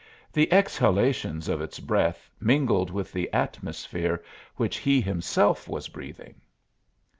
the exhalations of its breath mingled with the atmosphere which he himself was breathing.